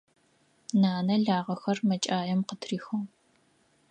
Нанэ лагъэхэр мэкӀаем къытрихыгъ.